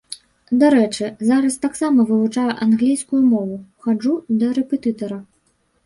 Дарэчы, зараз таксама вывучаю англійскую мову, хаджу да рэпетытара.